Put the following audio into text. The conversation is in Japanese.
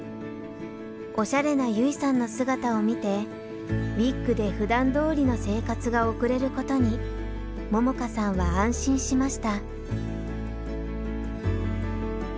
おしゃれな優生さんの姿を見てウィッグでふだんどおりの生活が送れることに桃花さんは安心しました。